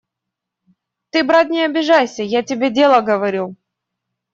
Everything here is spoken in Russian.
Ты, брат, не обижайся, я тебе дело говорю.